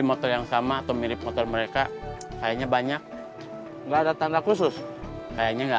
motor yang sama atau mirip motor mereka kayaknya banyak nggak ada tanda khusus kayaknya nggak